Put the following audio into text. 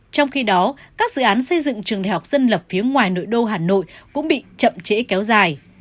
trong khi đó các dự án xây dựng trường đại học dân lập phía ngoài nội đô hà nội cũng bị chậm trễ kéo dài